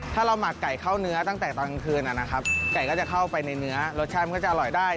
ถ้าเราหมักไก่เข้าเนื้อตั้งแต่ตอนกลางคืนนะครับไก่ก็จะเข้าไปในเนื้อรสชาติมันก็จะอร่อยได้